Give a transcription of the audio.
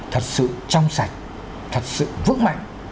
thật sự trong sạch thật sự vững mạnh